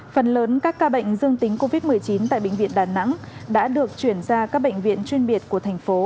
phần lớn các ca bệnh dương tính covid một mươi chín tại bệnh viện đà nẵng đã được chuyển ra các bệnh viện chuyên biệt của thành phố